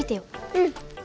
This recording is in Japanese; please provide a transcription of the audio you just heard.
うん。